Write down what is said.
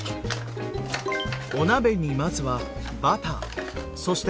お鍋にまずはバターそしてお砂糖。